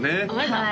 はい